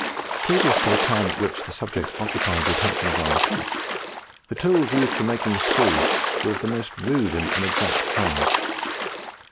Previous to the time at which the subject occupied the attention of our mechanic, the tools used for making screws were of the most rude and inexact kind.